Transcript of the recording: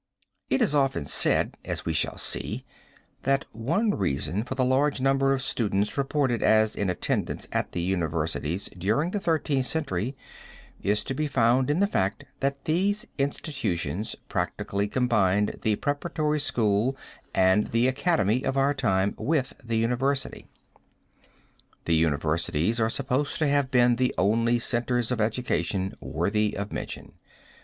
It is often said, as we shall see, that one reason for the large number of students reported as in attendance at the universities during the Thirteenth Century is to be found in the fact that these institutions practically combined the preparatory school and the academy of our time with the university. The universities are supposed to have been the only centers of education worthy of mention.